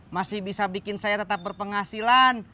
masih bisa bikin saya tetap berpenghasilan